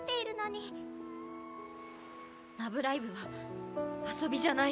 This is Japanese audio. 「ラブライブ！」は遊びじゃない。